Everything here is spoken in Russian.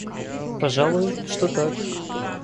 Пожалуй, что так.